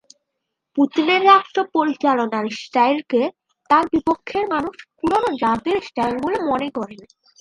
পুতিনের রাষ্ট্রপরিচালনার স্টাইলকে তাঁর বিপক্ষের মানুষ পুরোনো জারদের স্টাইল বলে মনে করেন।